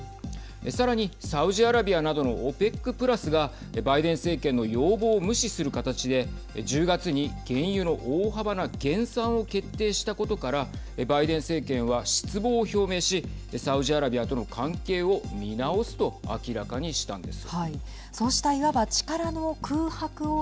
さらに、サウジアラビアなどのＯＰＥＣプラスがバイデン政権の要望を無視する形で１０月に原油の大幅な減産を決定したことからバイデン政権は失望を表明しサウジアラビアとの関係を見直すと明らかにしたんです。